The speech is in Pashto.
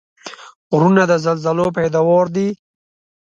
غرونه د زلزلو پیداوار دي.